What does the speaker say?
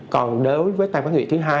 còn đối với tăng phán nguyệt thứ hai